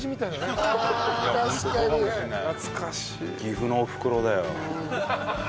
岐阜のおふくろだよ。